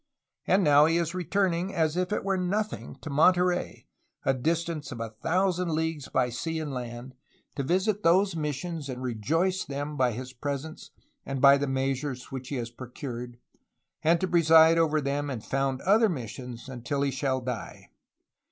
And now he is returning, as if it were nothing, to Monterey, a distance of a thousand leagues by sea and land, to visit those missions and rejoice them by his presence and by the measures which he has procured, and to preside over them and found other missions until he shall die.